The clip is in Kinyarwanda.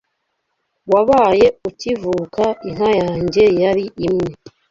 Wabaye ukivuka Inka yanjye yali imwe